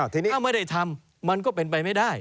ทีนี้ถ้าไม่ได้ทำมันก็เป็นไปไม่ได้